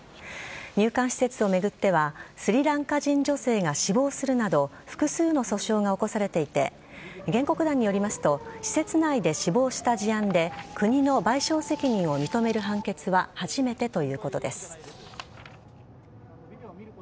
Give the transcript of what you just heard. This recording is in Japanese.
入管施設を巡ってはスリランカ人女性が死亡するなど複数の訴訟が起こされていて原告団によりますと施設内で死亡した事案で国の賠償責任を認める判決は初めてということです。